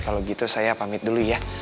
kalau gitu saya pamit dulu ya